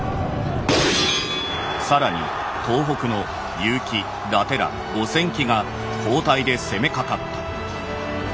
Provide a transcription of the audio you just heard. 更に東北の結城・伊達ら五千騎が交代で攻めかかった」。